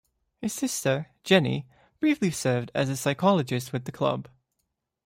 His sister, Jenny, briefly served as a psychologist with the club.